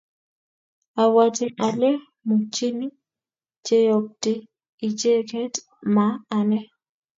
abwati ale muchini keyotyi icheket ma ane